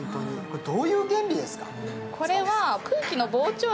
どういう原理ですか？